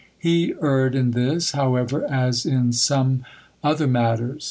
He erred in this, however, as in some other matters.